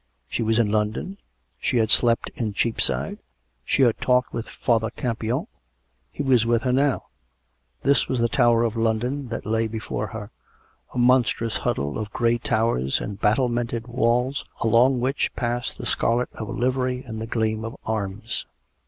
..• She was in London ; she had slept in Cheapside ; she had talked with Father Campion ; he was with her now ; this was the Tower of London that lay before her, a mon strous huddle of grey towers and battlemented walls along which passed the scarlet of a livery and the gleam of arms.